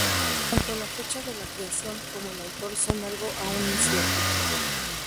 Tanto la fecha de la creación como el autor son algo aún incierto.